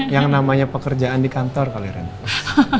yang namanya pekerjaan di kantor kalau ya randy